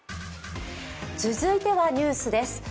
続いてはニュースです。